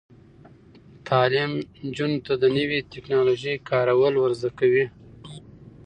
تعلیم نجونو ته د نوي ټیکنالوژۍ کارول ور زده کوي.